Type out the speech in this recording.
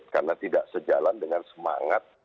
karena tidak sejalan dengan semangat